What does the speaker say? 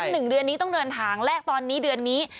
หนึ่งเดือนนี้ต้องเดินทางแรกตอนนี้เดือนนี้